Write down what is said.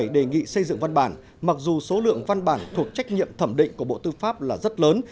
tám mươi bảy đề nghị xây dựng văn bản mặc dù số lượng văn bản thuộc trách nhiệm thẩm định của bộ tư pháp là rất lớn